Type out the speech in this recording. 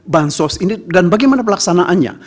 bantuan sosial ini dan bagaimana pelaksanaannya